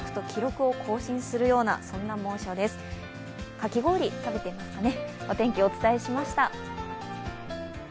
かき氷、食べていますかね。